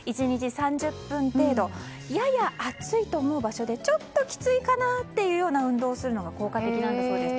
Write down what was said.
１日３０分程度やや暑いと思う場所でちょっときついかなという運動をするのが効果的なんだそうです。